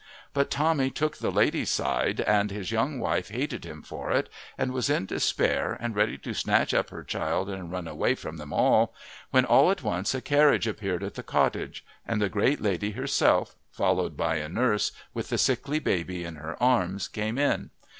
But Tommy took the lady's side, and his young wife hated him for it, and was in despair and ready to snatch up her child and run away from them all, when all at once a carriage appeared at the cottage, and the great lady herself, followed by a nurse with the sickly baby in her arms, came in.